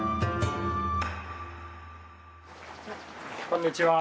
こんにちは！